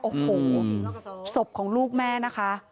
โอ้โหศพของลูกแม่นะคะ